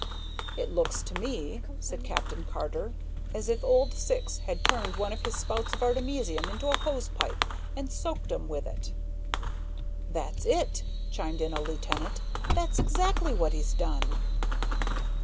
"It looks to me," said Captain Carter, "as if old Syx had turned one of his spouts of artemisium into a hose pipe and soaked 'em with it." "That's it," chimed in a lieutenant, "that's exactly what he's done."